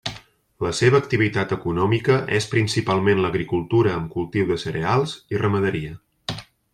La seva activitat econòmica és principalment l'agricultura amb cultiu de cereals i ramaderia.